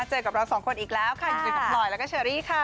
เจอกับเราสองคนอีกแล้วค่ะอยู่เจอกับพลอยแล้วก็เชอรี่ค่ะ